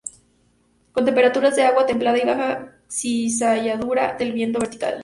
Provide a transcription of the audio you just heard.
Con temperaturas de agua templada y baja cizalladura del viento vertical.